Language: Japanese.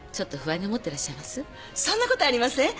そんなことありません！